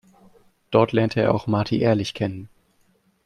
Dort lernte er auch Marty Ehrlich kennen.